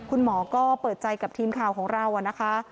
คุณหมอก็เปิดใจกับทีมข่าวของเรานะคะ